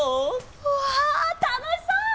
わあたのしそう！